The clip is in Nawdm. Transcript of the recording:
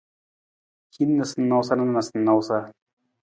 Hin noosanoosa na noosanoosa.